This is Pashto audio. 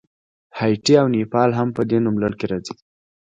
هایټي او نیپال هم په دې نوملړ کې راځي.